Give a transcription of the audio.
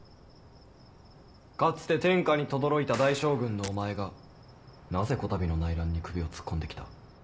かつて天下に轟いた大将軍のお前がなぜこたびの内乱に首を突っ込んで来た？